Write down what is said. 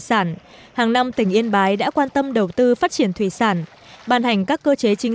sản hàng năm tỉnh yên bái đã quan tâm đầu tư phát triển thủy sản ban hành các cơ chế chính